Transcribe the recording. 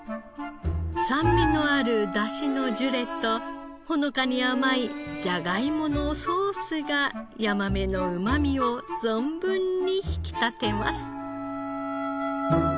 酸味のある出汁のジュレとほのかに甘いジャガイモのソースがヤマメのうまみを存分に引き立てます。